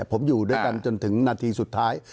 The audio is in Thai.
ผมอยู่ด้วยกันจนถึงนาทีสุดท้าย